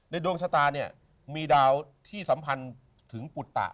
ดวงชะตาเนี่ยมีดาวที่สัมพันธ์ถึงปุตตะ